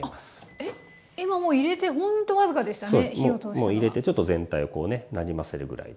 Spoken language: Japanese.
もう入れてちょっと全体をこうねなじませるぐらいで。